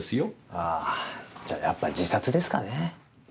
あぁじゃやっぱ自殺ですかね？